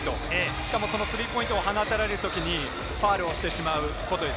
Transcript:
しかもそのスリーポイントを放たれる時にファウルをしてしまうことです。